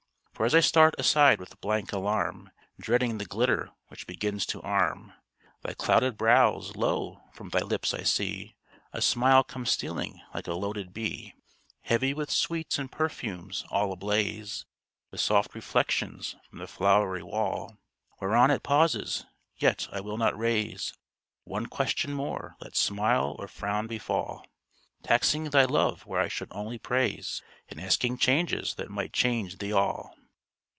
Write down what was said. For as I start aside with blank alarm, Dreading the glitter which begins to arm Thy clouded brows, lo! from thy lips I see A smile come stealing, like a loaded bee, Heavy with sweets and perfumes, all ablaze With soft reflections from the flowery wall Whereon it pauses. Yet I will not raise One question more, let smile or frown befall, Taxing thy love where I should only praise, And asking changes that might change thee all.